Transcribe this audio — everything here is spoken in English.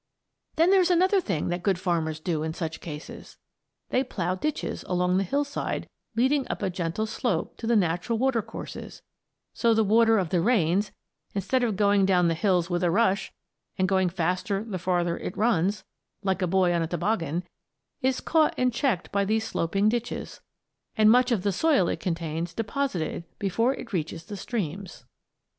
Then there's another thing that good farmers do in such cases. They plough ditches along the hillside leading by a gentle slope to the natural watercourses; so the water of the rains, instead of going down the hills with a rush, and going faster the farther it runs like a boy on a toboggan is caught and checked in these sloping ditches, and much of the soil it contains deposited before it reaches the streams.